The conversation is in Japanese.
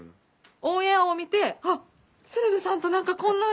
オンエアを見て「ハッ！鶴瓶さんとなんかこんな」。